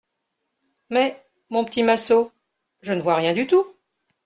Mais, mon petit Massot, je ne vois rien du tout.